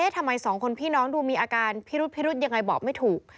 ทำไมสองคนพี่น้องดูมีอาการพิรุษพิรุธยังไงบอกไม่ถูก